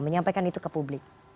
nyampaikan itu ke publik